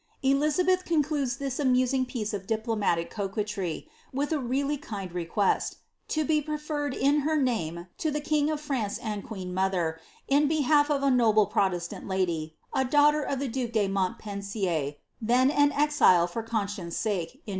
Elizabeth concludes this amusing piece of diplomatic coquetry, with a really kind request, to be preferred in her name to the kinj of* France and queen mother, in behalf of a noble protestant lady, i daughter of the due de Montpensier, then an exile for conscience' ■ La.